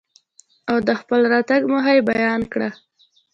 او دخپل راتګ موخه يې بيان کره.